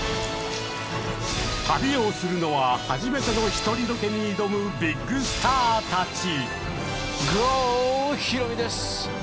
旅をするのは初めての一人ロケに挑むビッグスターたち。